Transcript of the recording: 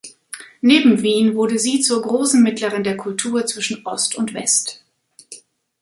Neben Wien wurde sie zur großen Mittlerin der Kultur zwischen Ost und West.